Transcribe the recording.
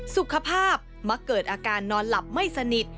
สุขภาพมักเกิดอาการนอนหลับไม่สนิท